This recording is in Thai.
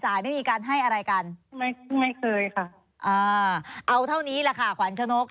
อ่าเอาเท่านี้แหละค่ะขวางฉนก